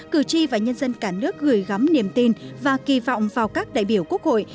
cử tri và nhân dân cả nước gửi gắm niềm tin và kỳ vọng vào các đại biểu quốc hội